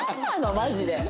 マジで。